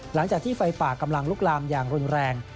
หลังจากที่ไฟป่ากำลังลุกลามอย่างรุนแรง